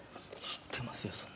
知ってますよ